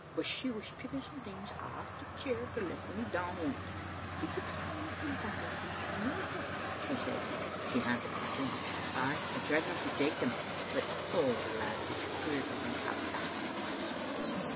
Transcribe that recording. But she was picking some things aff the chair to let me down on*t. "'It's a pair o' mittens I'm working for the minis ter, ' she says, and she handed them to me. Ay, I tried no to take them, but — Oh, lads, it's queer to think how saft I was.